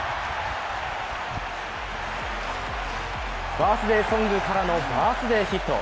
バースデーソングからのバースデーヒット。